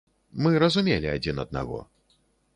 Мы разумелі адзін аднаго.